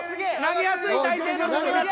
投げやすい体勢の時に。